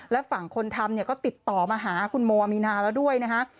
และฝั่งคนทำเนี่ยก็ติดต่อมาหาคุณโมอามีนาแล้วด้วยนะฮะ